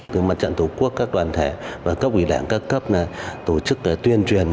từ mặt trận tổ quốc các đoàn thể và các quỷ đảng các cấp tổ chức tuyên truyền